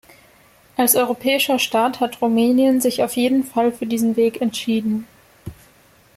Als europäischer Staat hat Rumänien sich auf jeden Fall für diesen Weg entschieden.